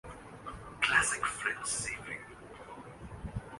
انسان کے اخلاقی تصورات زمان و مکان کے تابع ہیں۔